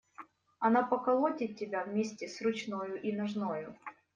Она поколотит тебя вместе с ручною и ножною.